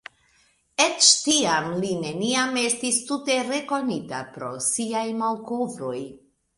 Eĉ tiam li neniam estis tute rekonita pro siaj malkovroj.